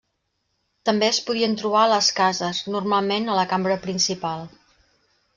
També es podien trobar a les cases, normalment a la cambra principal.